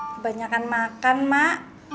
kebanyakan makan mak